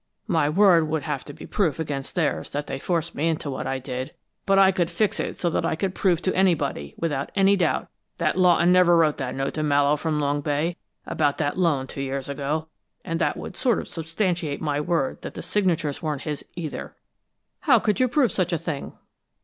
My word would have to be proof against theirs that they forced me into what I did, but I could fix it so that I could prove to anybody, without any doubt, that Lawton never wrote that note to Mallowe from Long Bay about that loan two years ago, and that would sort of substantiate my word that the signatures weren't his, either." "How could you prove such a thing?"